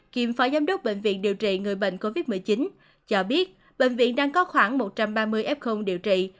kiêm phó giám đốc bệnh viện điều trị người bệnh covid một mươi chín cho biết bệnh viện đang có khoảng một trăm ba mươi f điều trị